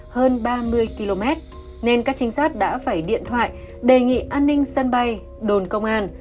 hơn ba mươi km nên các trinh sát đã phải điện thoại đề nghị an ninh sân bay đồn công an